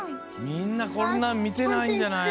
みんなこんなんみてないんじゃない？